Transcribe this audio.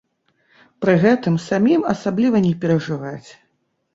Пры гэтым самім асабліва не перажываць.